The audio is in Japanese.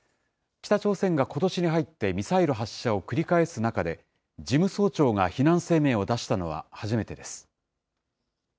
北朝鮮がことしに入ってミサイル発射を繰り返す中で、事務総長が非難声明を出したのは初めてです。